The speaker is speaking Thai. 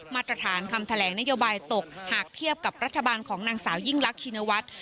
มาตรฐานคำแถลงนโยบายตกหากเทียบกับรัฐบาลของนางสาวยิ่งลักชินวัฒน์